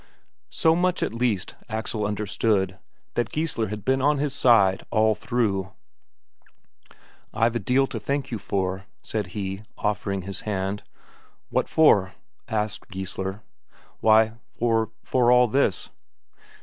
So much at least Axel understood, that Geissler had been on his side all through. "I've a deal to thank you for," said he, offering his hand. "What for?" asked Geissler. "Why, for for all this."